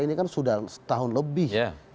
ini kan sudah setahun lebih